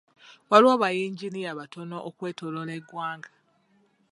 Waliwo ba yinginiya batono okwetooloola eggwanga.